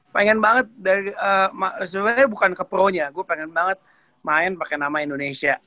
pengen banget sebenernya bukan kepronya gue pengen banget main pake nama indonesia